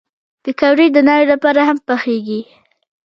پکورې د ناوې لپاره هم پخېږي